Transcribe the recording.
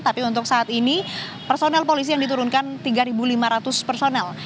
tapi untuk saat ini personel polisi yang diturunkan tiga lima ratus personel